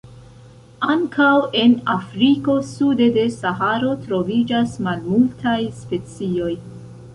Ankaŭ en Afriko sude de Saharo troviĝas malmultaj specioj.